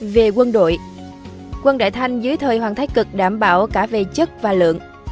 về quân đội quân đại thanh dưới thời hoàng thái cực đảm bảo cả về chất và lượng